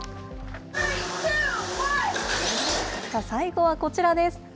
最後はこちらです。